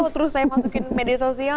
terus saya masukin media sosial